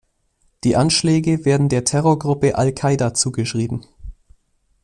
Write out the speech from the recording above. Die Anschläge werden der Terrorgruppe al-Qaida zugeschrieben.